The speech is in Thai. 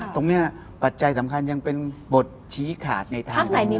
ตรงเนี่ยปัจจัยสำคัญยังเป็นบทชี้ขาดในทางการเงิน